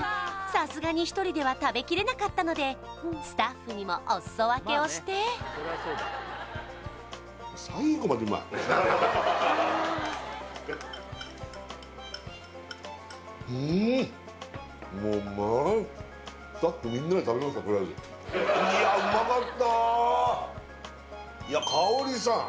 さすがに１人では食べきれなかったのでスタッフにもおすそ分けをしてうんもううまいいやいや香さん